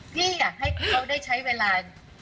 พี่อยากให้เขาได้ใช้เวลา